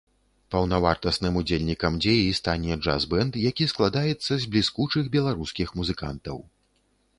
Паўнавартасным удзельнікам дзеі стане джаз-бэнд, які складаецца з бліскучых беларускіх музыкантаў.